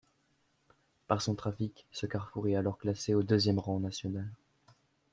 Par son trafic, ce carrefour est alors classé au deuxième rang national.